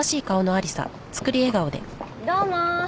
どうも。